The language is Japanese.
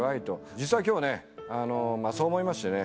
実は今日ねそう思いましてね